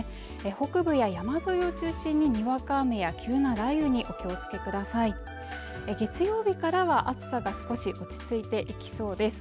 北部や山沿いを中心ににわか雨や急な雷雨にお気をつけください月曜日からは暑さが少し落ち着いていきそうです